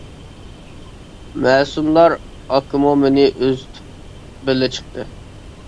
مەسۇملار ئاكىمۇ مېنى ئۇزىتىپ بىللە چىقتى.